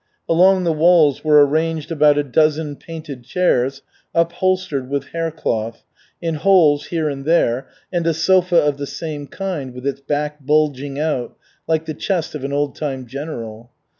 Along the walls were arranged about a dozen painted chairs, upholstered with haircloth, in holes here and there, and a sofa of the same kind with its back bulging out, like the chest of an old time general.